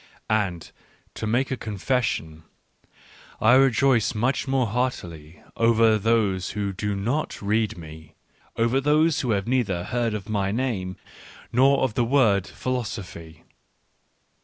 ... And, to make a confession, I re joice much more heartily over those who do not read me, over those who have neither heard of my name nor of the word philosophy.